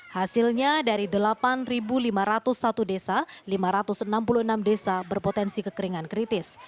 hasilnya dari delapan lima ratus satu desa lima ratus enam puluh enam desa berpotensi kekeringan kritis